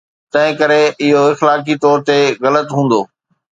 تنهنڪري اهو اخلاقي طور تي غلط هوندو.